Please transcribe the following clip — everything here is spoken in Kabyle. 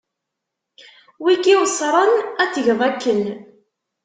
Wi k-iweṣren ad tgeḍ akken.